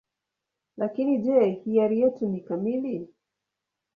Lakini je, hiari yetu ni kamili?